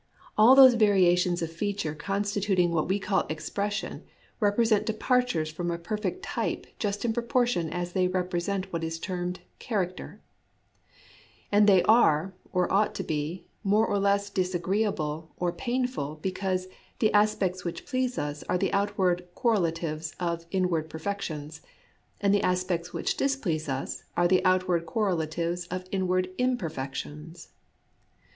All those variations of feature constituting what we call " expression " represent departures from a perfect type just in proportion as they represent what is termed " character ;"— and they are, or ought to be. ABOUT FACES IN JAPANESE ART 117 more or less disagreeable or painful because " the aspects whicb please us are the outward correlatives of inward perfections, and the aspects which displease us are the outward correlatives of inward imperfections."